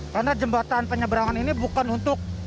karena jembatan penyeberangan ini bukan untuk